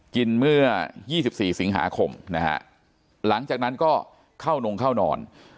เมื่อ๒๔สิงหาคมนะฮะหลังจากนั้นก็เข้านงเข้านอน